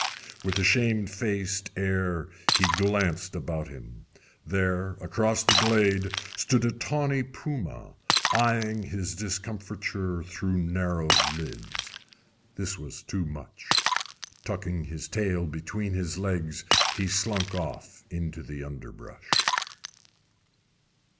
With a shamefaced air he glanced about him. There, across the glade, stood a tawny puma, eyeing his discomfiture through narrowed lids. This was too much. Tucking his tail between his legs, he slunk off into the underbrush.